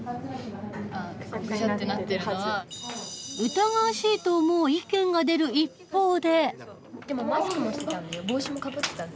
疑わしいと思う意見が出る一方で。